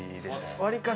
わりかし